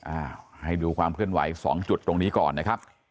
อ่าให้ดูความเคลื่อนไหวสองจุดตรงนี้ก่อนนะครับ